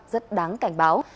rất đáng cảnh báo